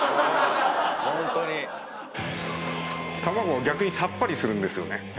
卵逆にさっぱりするんですよね。